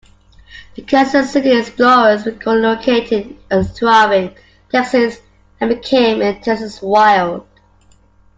The Kansas City Explorers relocated to Irving, Texas, and became the Texas Wild.